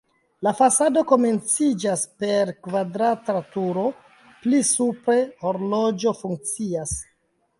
La fasado komenciĝas per kvadrata turo, pli supre horloĝo funkcias.